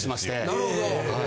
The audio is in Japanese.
なるほど。